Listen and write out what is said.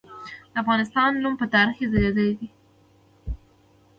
د افغانستان نوم په تاریخ کې ځلیدلی دی.